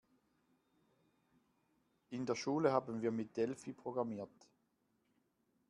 In der Schule haben wir mit Delphi programmiert.